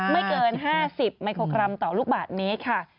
ไม่เกิน๕๐มิโครกรัมต่อลูกบาทเมตรค่ะ